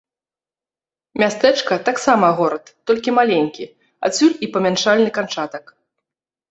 Мястэчка таксама горад, толькі маленькі, адсюль і памяншальны канчатак.